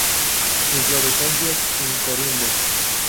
Inflorescencias en corimbo.